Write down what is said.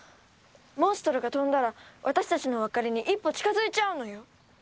モンストロが飛んだら私たちのお別れに一歩近づいちゃうのよ！